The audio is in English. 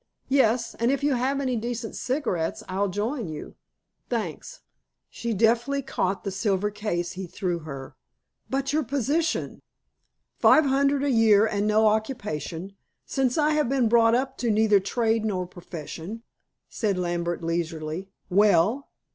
"Yes, and if you have any decent cigarettes I'll join you. Thanks!" She deftly caught the silver case he threw her. "But your position?" "Five hundred a year and no occupation, since I have been brought up to neither trade nor profession," said Lambert leisurely. "Well?"